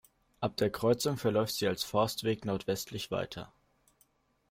Ab der Kreuzung verläuft sie als Forstweg nordwestlich weiter.